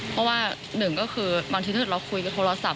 เพราะว่า๑บางทีถึงเราคุยกับโทรศัพท์